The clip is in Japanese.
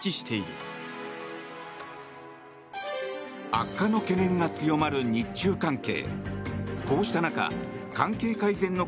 悪化の懸念が強まる日中関係。